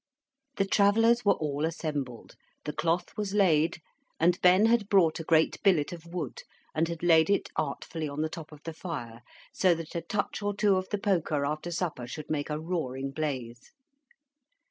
The Travellers were all assembled, the cloth was laid, and Ben had brought a great billet of wood, and had laid it artfully on the top of the fire, so that a touch or two of the poker after supper should make a roaring blaze.